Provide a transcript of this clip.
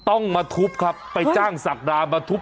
โอ้โฮ